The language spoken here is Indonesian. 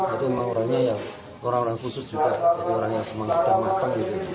itu orang orang khusus juga jadi orang yang semangat dan matang